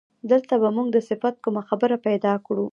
دلته به موږ د صفت کومه خبره پیدا کړو.